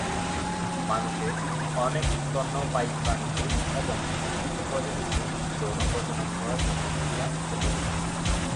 মানুষে, অনেক স্তন্যপায়ী প্রাণীতে এবং কিছু প্রজাতিতে যৌন প্রজনন করার জন্য দুইটা ক্রোমোজোম থাকে।